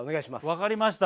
分かりました。